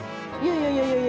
いやいやいや。